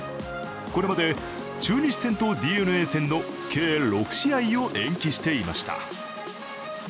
これまで中日戦とＤｅＮＡ戦の計６試合を延期していました。